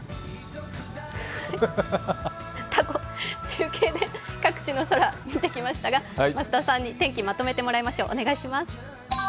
中継で各地の空を見てきましたが、増田さんに天気、まとめてもらいましょう。